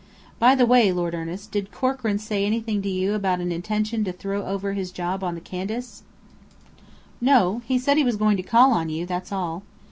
By the way, Lord Ernest, did Corkran say anything to you about an intention to throw over his job on the Candace?" "No. He said he was going to call on you, that's all."